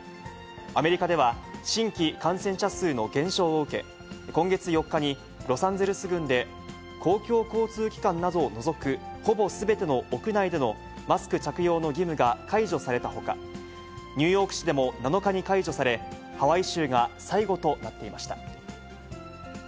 アメリカでは、新規感染者数の減少を受け、今月４日に、ロサンゼルスぐんで公共交通機関などを除くほぼすべての屋内でのマスク着用の義務が解除されたほか、ニューヨーク市でも７日に解除され、ハワイ州が最後となっていました。